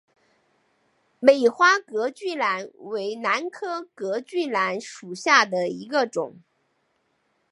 美花隔距兰为兰科隔距兰属下的一个种。